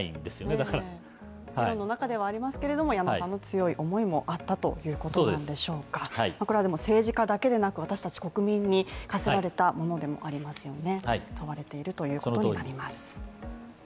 だからコロナの中ではありますけれども強い思いもあったということでしょうか？はいくらでも政治家だけでなく私達国民に課せられたものでもありますよね。